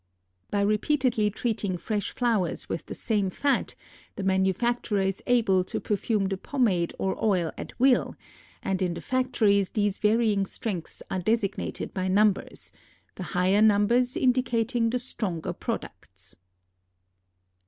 By repeatedly treating fresh flowers with the same fat the manufacturer is able to perfume the pomade or oil at will, and in the factories these varying strengths are designated by numbers; the higher numbers indicating the stronger products.